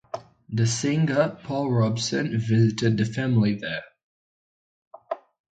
The singer Paul Robeson visited the family there.